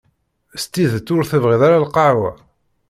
S tidet ur tebɣiḍ ara lqahwa?